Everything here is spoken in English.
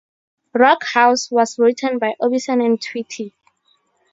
"Rock House" was written by Orbison and Twitty.